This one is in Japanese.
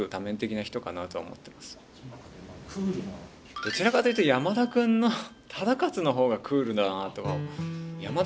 どちらかというと山田君の忠勝の方がクールだなあと。